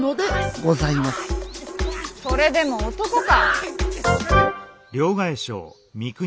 それでも男か。